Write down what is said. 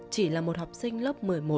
chỉ là một học sinh lớp một mươi một